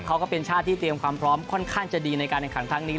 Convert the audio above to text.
ก็เป็นชาติที่เตรียมความพร้อมค่อนข้างจะดีในการแข่งขันครั้งนี้